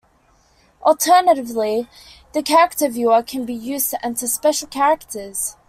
Alternatively the Character Viewer can be used to enter special characters.